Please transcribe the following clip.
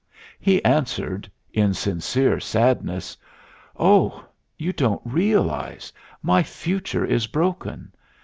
He answered in sincere sadness: "Oh, you don't realize! My future is broken.